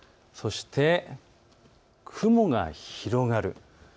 そして、雲が広がる。